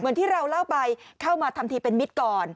ที่เราเล่าไปเข้ามาทำทีเป็นมิตรก่อน